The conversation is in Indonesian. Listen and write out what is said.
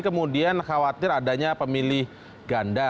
kemudian khawatir adanya pemilih ganda